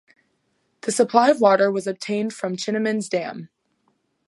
The supply of water was obtained from Chinamans Dam.